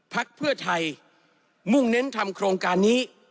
พักเพื่อไทยมุ่งเน้นทำโครงการนี้